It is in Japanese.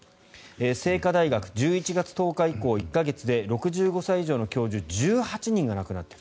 清華大学、１１月１０日以降１か月で６５歳以上の教授１８人が亡くなっている。